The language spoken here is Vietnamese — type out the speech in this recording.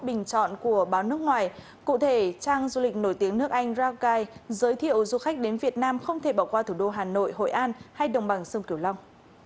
bình chọn của báo nước ngoài cụ thể trang du lịch nổi tiếng nước anh rakai giới thiệu du khách đến việt nam không thể bỏ qua thủ đô hà nội hội an hay đồng bằng sông kiều long